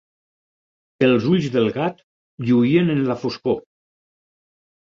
Els ulls del gat lluïen en la foscor.